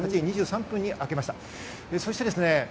２３分に開けました。